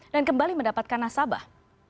dan kembali mendapatkan nasabah